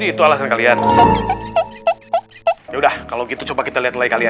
jadi itu alasan kalian ya udah kalau gitu coba kita lihat kalian ya